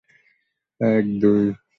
এক, দুই।